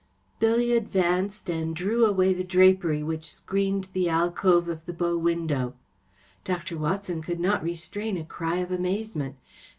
‚ÄĚ Billy advanced and drew away the drapery which screened the alcove of the bow window. Dr. Watson could not restrain a cry of amazement.